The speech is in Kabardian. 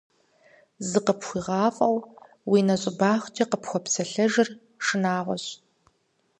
ЗыкъыпхуэзыгъэфӀыу уи нэщӀыбагъкӀэ къыпхуэпсэлъэжыр шынагъуэщ.